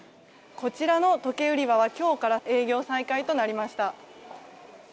こちらの時計売り場は今日から営業再開となりました。